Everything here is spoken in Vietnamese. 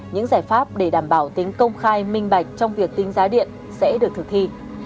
những giải pháp để đảm bảo tính công khai minh bạch trong việc tính giá điện sẽ được thực thi